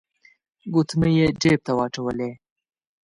ګوتمۍ يې جيب ته واچولې.